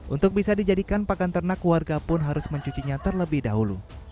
untuk bisa dijadikan pakan ternak warga pun harus mencucinya terlebih dahulu